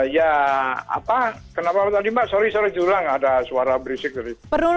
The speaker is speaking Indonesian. ya apa kenapa tadi mbak sorry sorry curang ada suara berisik tadi